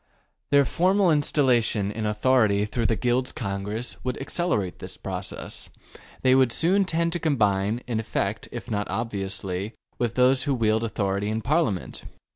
Their formal installation in authority through the Guilds Congress would accelerate this process. They would soon tend to combine, in effect if not obviously, with those who wield authority in Parliament.